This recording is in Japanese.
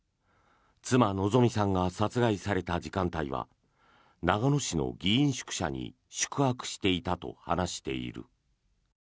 妻・希美さんが殺害された時間帯は、長野市の議員宿舎に宿泊していたと話している。